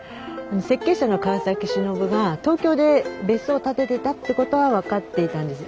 設計者の川崎忍が東京で別荘を建ててたってことは分かっていたんです。